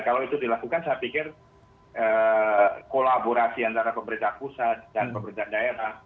kalau itu dilakukan saya pikir kolaborasi antara pemerintah pusat dan pemerintah daerah